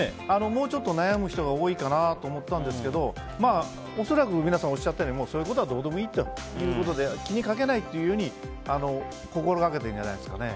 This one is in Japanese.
もうちょっと悩む人が多いかなと思ったんですが恐らく、皆さんがおっしゃったようにどうでもいいということで気にかけないというように心がけているんじゃないんですかね。